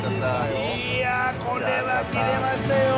いやこれはキレましたよ。